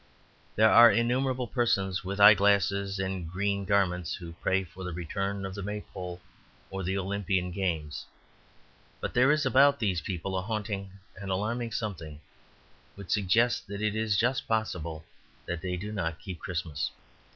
There are innumerable persons with eye glasses and green garments who pray for the return of the maypole or the Olympian games. But there is about these people a haunting and alarming something which suggests that it is just possible that they do not keep Christmas.